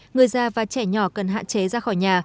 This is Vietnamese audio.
người già và trẻ nhỏ cần hạn chế ra khỏi nhà